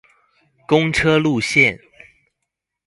公車路線